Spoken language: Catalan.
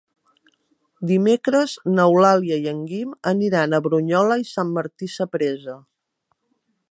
Dimecres n'Eulàlia i en Guim aniran a Brunyola i Sant Martí Sapresa.